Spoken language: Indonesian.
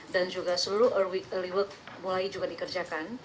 dan juga seluruh early work mulai juga dikerjakan